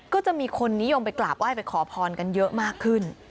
ก็จะมีคนนิยมไปกราบไห้ไปขอพรกันเยอะมากขึ้น